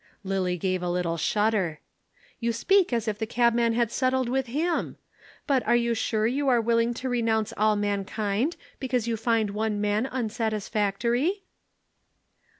Lillie gave a little shudder. "You speak as if the cabman had settled with him. But are you sure you are willing to renounce all mankind because you find one man unsatisfactory?"